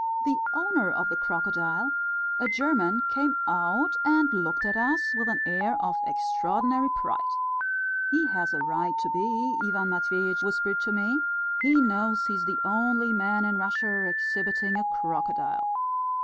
The owner of the crocodile, a German, came out and looked at us with an air of extraordinary pride. "He has a right to be," Ivan Matveitch whispered to me, "he knows he is the only man in Russia exhibiting a crocodile."